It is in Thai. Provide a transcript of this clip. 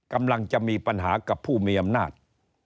กำลังจะมีปัญหากับผู้มีอำนาจ